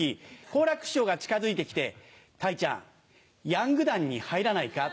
好楽師匠が近づいて来て「たいちゃんヤング団に入らないか？